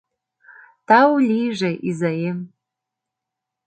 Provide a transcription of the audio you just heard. Тау лийже, изаем